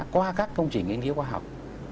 qua các công trình yên hiếu khoa học